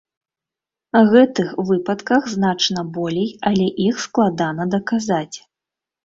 Гэтых выпадках значна болей, але іх складана даказаць.